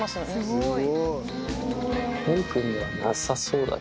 すごい。